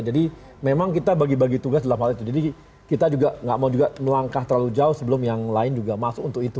memang kita bagi bagi tugas dalam hal itu jadi kita juga nggak mau juga melangkah terlalu jauh sebelum yang lain juga masuk untuk itu